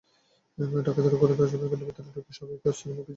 ডাকাতেরা ঘরের দরজা ভেঙে ভেতরে ঢুকে সবাইকে অস্ত্রের মুখে জিম্মি করে।